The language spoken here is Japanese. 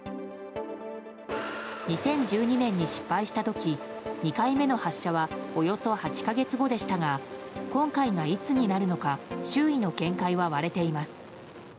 ２０１２年に失敗した時２回目の発射はおよそ８か月後でしたが今回がいつになるのか周囲の見解は割れています。